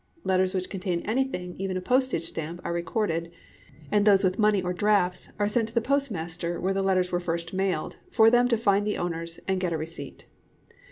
Letters which contain anything, even a postage stamp, are recorded, and those with money or drafts are sent to the postmasters where the letters were first mailed, for them to find the owners, and get a receipt.